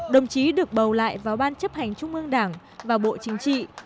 đồng chí được bầu lại vào ban chấp hành trung ương đảng và bộ chính trị